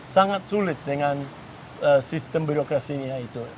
sangat sulit dengan sistem birokrasi ini